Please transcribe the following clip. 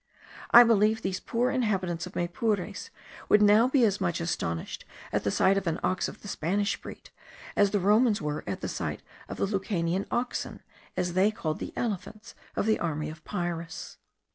I believe these poor inhabitants of Maypures would now be as much astonished at the sight of an ox of the Spanish breed, as the Romans were at the sight of the Lucanian oxen, as they called the elephants of the army of Pyrrhus.